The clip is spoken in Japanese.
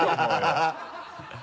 ハハハ